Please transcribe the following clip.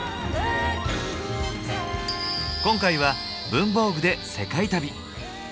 今回は「文房具」で世界旅！